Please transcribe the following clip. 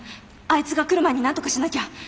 あいつが来る前になんとかしなきゃ。